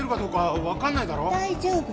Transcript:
大丈夫。